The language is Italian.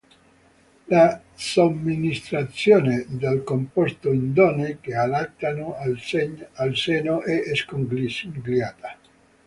La somministrazione del composto in donne che allattano al seno è sconsigliata.